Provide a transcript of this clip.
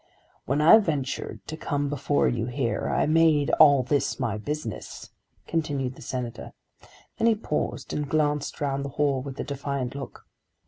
"When I ventured to come before you here, I made all this my business," continued the Senator. Then he paused and glanced round the hall with a defiant look.